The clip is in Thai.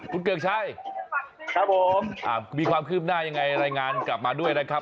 คุณเกือกชัยครับผมมีความคืบหน้ายังไงรายงานกลับมาด้วยนะครับ